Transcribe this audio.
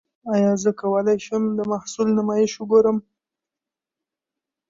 ایا زه کولی شم د محصول نمایش وګورم؟